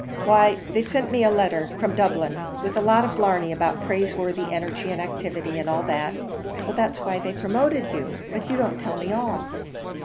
"Why, they've sent me a letter from Dublin, with a lot of blarney about praiseworthy energy and activity, and all that " "That's why they've promoted you: but you don't tell me all."